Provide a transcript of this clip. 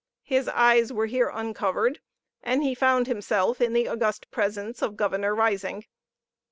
His eyes were here uncovered, and he found himself in the august presence of Governor Risingh.